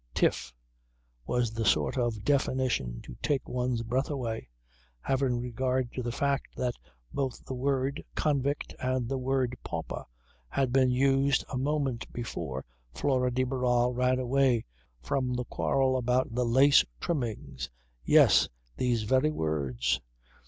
Tiff was the sort of definition to take one's breath away, having regard to the fact that both the word convict and the word pauper had been used a moment before Flora de Barral ran away from the quarrel about the lace trimmings. Yes, these very words!